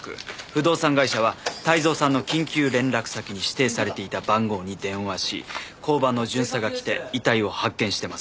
不動産会社は泰造さんの緊急連絡先に指定されていた番号に電話し交番の巡査が来て遺体を発見してます。